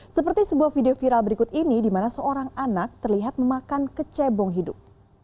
seperti sebuah video viral berikut ini di mana seorang anak terlihat memakan kecebong hidup